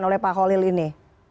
oleh pak holil ini